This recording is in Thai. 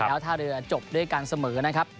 แล้วท่าเรือจบด้วยกันเสมอนะครับ